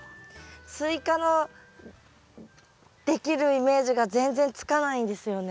スイカのできるイメージが全然つかないんですよね。